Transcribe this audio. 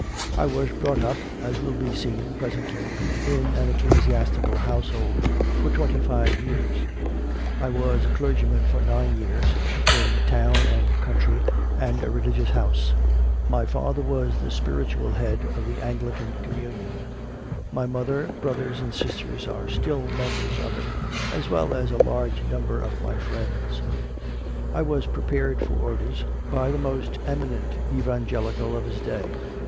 I was brought up, as will be seen presently, in an ecclesias tical household for twenty five years; I was a clergyman for nine years, in town and country and a Religious House. My father was the spiritual 4 CONFESSIONS OF A CONVERT head of the Anglican communion; my mother, brothers, and sister are still members of it, as well as a large number of my friends. I was prepared for orders by the most eminent Evangelical of his day.